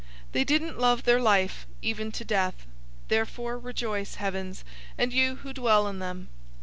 They didn't love their life, even to death. 012:012 Therefore rejoice, heavens, and you who dwell in them.